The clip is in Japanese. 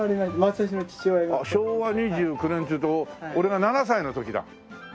昭和２９年っていうと俺が７歳の時だ。